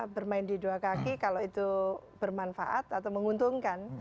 bermain di dua kaki kalau itu bermanfaat atau menguntungkan